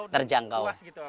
terjangkau dan kuas gitu pak